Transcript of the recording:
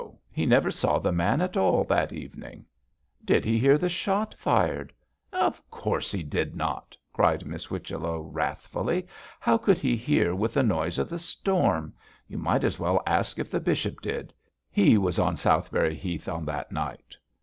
he never saw the man at all that evening.' 'Did he hear the shot fired?' 'Of course he did not!' cried Miss Whichello, wrathfully. 'How could he hear with the noise of the storm? You might as well ask if the bishop did; he was on Southberry Heath on that night.'